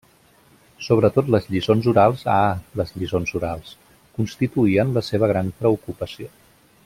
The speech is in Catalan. Sobretot les lliçons orals, ah, les lliçons orals!, constituïen la seva gran preocupació.